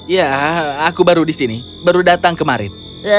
ya aku baru di sini baru datang kemarin